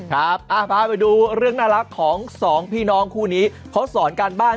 พาไปดูเรื่องน่ารักของสองพี่น้องคู่นี้เขาสอนการบ้าน